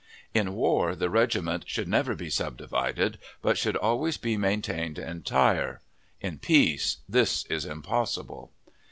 In war the regiment should never be subdivided, but should always be maintained entire. In peace this is impossible.